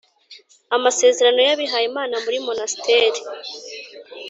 Amasezerano y’ abihaye Imana muri Monasteri